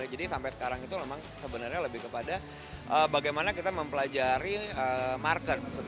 jadi sampai sekarang itu memang sebenarnya lebih kepada bagaimana kita mempelajari market